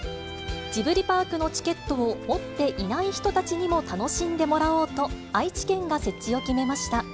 ジブリパークのチケットを持っていない人たちにも楽しんでもらおうと、愛知県が設置を決めました。